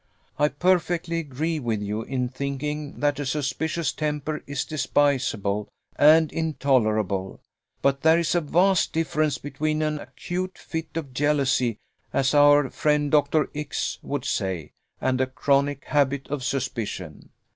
I perfectly agree with you in thinking that a suspicious temper is despicable and intolerable; but there is a vast difference between an acute fit of jealousy, as our friend Dr. X would say, and a chronic habit of suspicion.